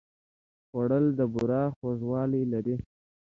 خوړل د بوره خوږوالی لري